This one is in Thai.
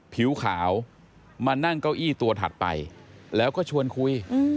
ผิวขาวมานั่งเก้าอี้ตัวถัดไปแล้วก็ชวนคุย